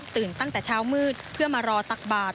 ตั้งแต่เช้ามืดเพื่อมารอตักบาท